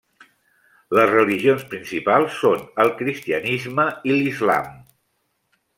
Les religions principals són el cristianisme i l'islam.